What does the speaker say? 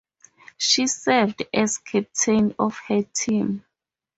She served as captain of her team.